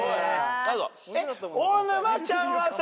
えっ大沼ちゃんはさ